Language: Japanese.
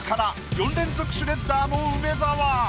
４連続シュレッダーの梅沢。